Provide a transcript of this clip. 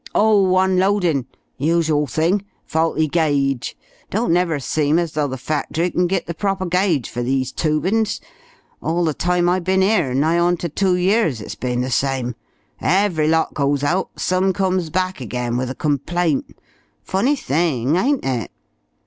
"Oh unloadin'. Usual thing. Faulty gauge. Don't never seem as though the factory kin get the proper gauge fer those tubin's. All the time I bin 'ere nigh on to two years it's bin the same. Every lot goes out, some comes back again with a complaint. Funny thing, ain't it?"